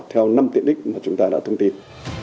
theo năm tiện đích mà chúng ta đã thông tin